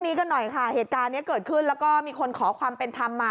กันหน่อยค่ะเหตุการณ์นี้เกิดขึ้นแล้วก็มีคนขอความเป็นธรรมมา